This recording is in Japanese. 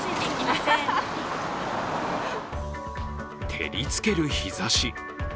照りつける日ざし。